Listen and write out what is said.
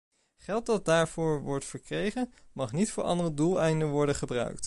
Geld dat daarvoor wordt verkregen, mag niet voor andere doeleinden worden gebruikt.